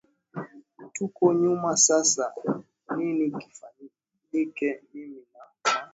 tuko nyuma sasa nini kifanyike mimi na ma